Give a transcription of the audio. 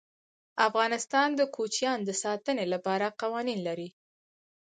افغانستان د کوچیان د ساتنې لپاره قوانین لري.